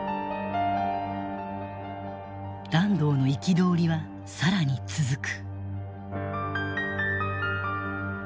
團藤の憤りは更に続く。